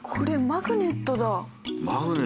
マグネットだ